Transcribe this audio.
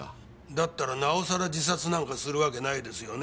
だったらなおさら自殺なんかする訳ないですよね。